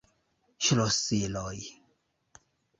Ŝlosiloj!